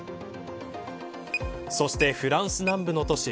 そしてフランス南部の都市